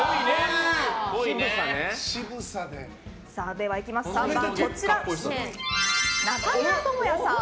では、３番は中村倫也さん。